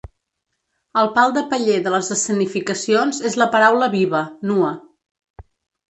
El pal de paller de les escenificacions és la paraula viva, nua.